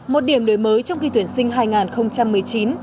một điểm đổi mới trong kỳ tuyển sinh hai nghìn một mươi chín